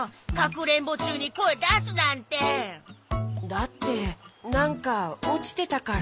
だってなんかおちてたから。